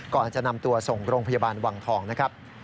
ก่อนจะนำตัวส่งโรงพยาบาลวังทองนะครับ